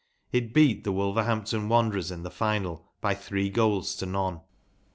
It beat the Wolver h a m p t o n Wanderers in the final by three goals to none.